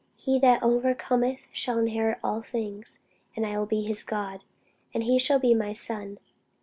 He that overcometh shall inherit all things; and I will be his God, and he shall be my son.